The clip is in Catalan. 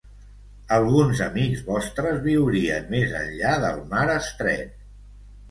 Alguns amics vostres viurien més enllà del mar Estret.